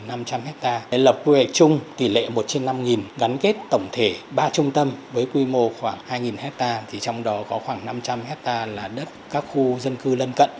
năm trăm linh hectare lập quy hoạch chung tỷ lệ một trên năm gắn kết tổng thể ba trung tâm với quy mô khoảng hai hectare trong đó có khoảng năm trăm linh hectare là đất các khu dân cư lân cận